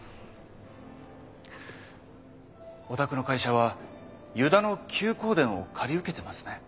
お宅の会社は湯田の休耕田を借り受けてますね？